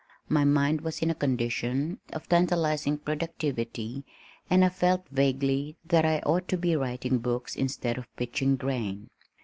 My mind was in a condition of tantalizing productivity and I felt vaguely that I ought to be writing books instead of pitching grain.